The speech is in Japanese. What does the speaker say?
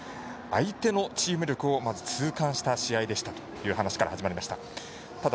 相手のチーム力をまず痛感した試合でしたという話から始まりました。